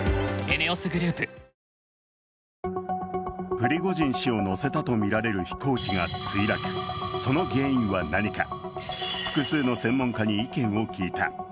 プリゴジン氏を乗せたとみられる飛行機が墜落その原因は何か、複数の専門家に意見を聞いた。